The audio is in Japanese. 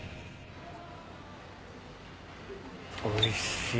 おいしい。